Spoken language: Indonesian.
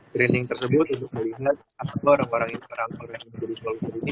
training tersebut untuk mengingat apa orang orang yang menjadi kolumdir ini